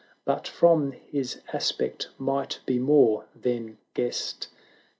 But from his aspect might be more than guessed.